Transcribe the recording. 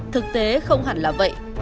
thực tế không hẳn là vậy